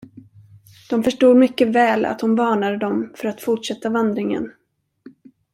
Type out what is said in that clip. De förstod mycket väl, att hon varnade dem för att fortsätta vandringen.